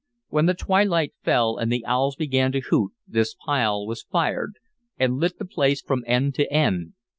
When the twilight fell and the owls began to hoot this pile was fired, and lit the place from end to end.